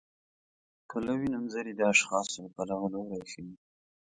پلوي نومځري د اشخاصو له پلوه لوری ښيي.